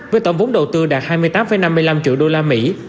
với tổng vốn đầu tư đạt hai mươi tám năm mươi năm triệu đô la mỹ